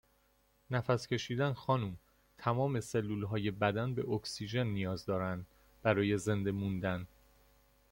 نفس کشیدن خانم تمام سلولهای بدن به اکسیژن نیاز دارن برای زنده موندن